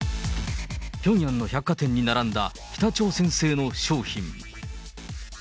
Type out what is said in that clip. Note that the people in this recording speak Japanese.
ピョンヤンの百貨店に並んだ北朝鮮製の商品。